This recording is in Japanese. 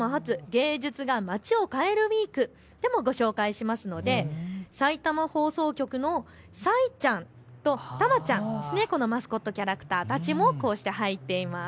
芸術が街を変えるウイークでご紹介しますのでさいたま放送局のサイちゃんとタマちゃん、このマスコットキャラクターたちもこうして入ってます。